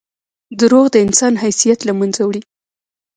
• دروغ د انسان حیثیت له منځه وړي.